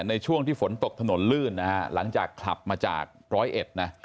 ในช่วงที่ฝนตกถนนลื่นนะฮะหลังจากขับมาจากร้อยเอ็ดนะ